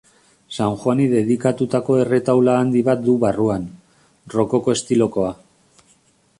San Juani dedikatutako erretaula handi bat du barruan, rokoko estilokoa.